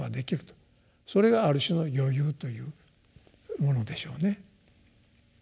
それがある種の余裕というものでしょうね。